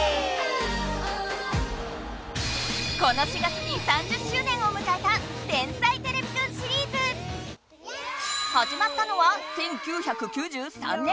この４月に３０周年をむかえた「天才てれびくん」シリーズ！はじまったのは１９９３年。